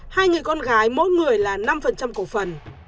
hai người con gái mỗi người là năm cổ phần